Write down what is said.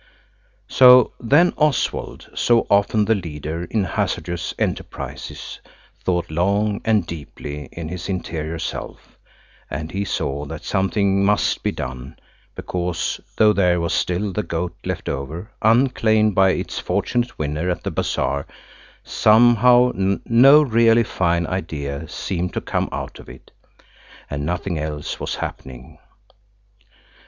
So then Oswald, so often the leader in hazardous enterprises, thought long and deeply in his interior self, and he saw that something must be done, because, though there was still the goat left over, unclaimed by its fortunate winner at the Bazaar, somehow no really fine idea seemed to come out of it, and nothing else was happening.